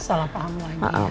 salah paham lagi ya